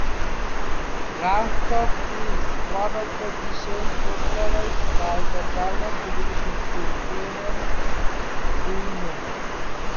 Rumtopf is one of the dishes popularised by the German television cook Clemens Wilmenrod.